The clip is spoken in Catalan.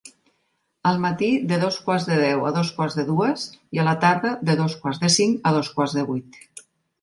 Al matí, de dos quarts de deu a dos quarts de dues i, a la tarda, de dos quarts de cinc a dos quarts de vuit.